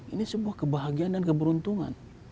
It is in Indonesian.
ini sebuah kebahagiaan dan keberuntungan